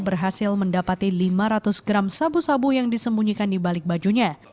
berhasil mendapati lima ratus gram sabu sabu yang disembunyikan di balik bajunya